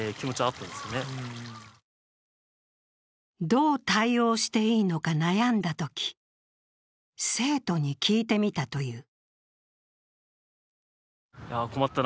どう対応していいのか悩んだとき、生徒に聞いてみたという。